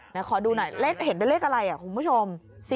เห็นได้เลขอะไรอ่ะคุณผู้ชม